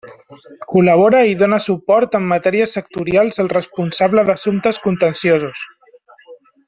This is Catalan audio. Col·labora i dóna suport en matèries sectorials al responsable d'assumptes contenciosos.